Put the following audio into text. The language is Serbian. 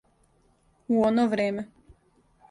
У оно време.